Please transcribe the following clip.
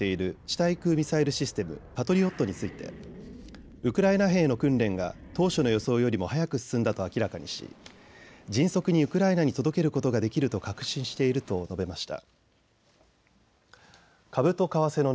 対空ミサイルシステムパトリオットについてウクライナ兵の訓練が当初の予想よりも早く進んだと明らかにし、迅速にウクライナに届けることができると確信していると述べました。